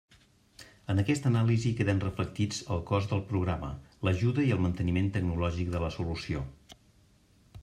En aquesta anàlisi queden reflectits el cost del programa, l'ajuda i el manteniment tecnològic de la solució.